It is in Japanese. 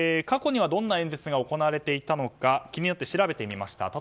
過去にはどんな演説が行われていたのか調べてみました。